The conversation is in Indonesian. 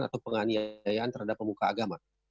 atau penganiayaan terhadap pemuka agama